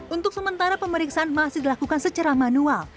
untuk sementara pemeriksaan masih dilakukan secara manual